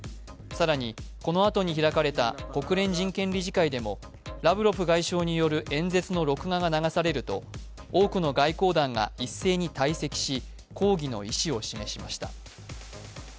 更に、この後に開かれた国連人権理事会でもラブロフ外相による演説の録画が流されると、多くの外交団が一斉に退席し、抗議の意思を示しました。